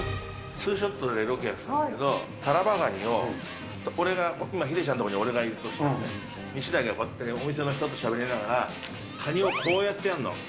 ツーショットでロケやってたんですけど、タラバガニを、俺が、今ヒデちゃんのいる所に俺がいると、西代がこうやってお店の人としゃべりながら、カニをこうやってやるの。